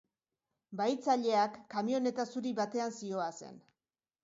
Bahitzaileak kamioneta zuri batean zihoazen.